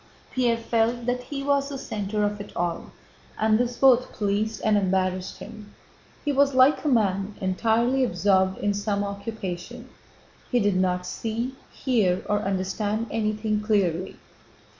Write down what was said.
Pierre felt that he was the center of it all, and this both pleased and embarrassed him. He was like a man entirely absorbed in some occupation. He did not see, hear, or understand anything clearly.